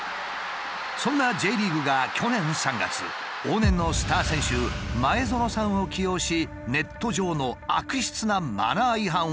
そんなＪリーグが去年３月往年のスター選手前園さんを起用しネット上の悪質なマナー違反を警告した。